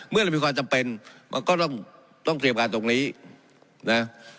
เมื่อเรามีความจำเป็นมันก็ต้องต้องเก็บการตรงนี้นะ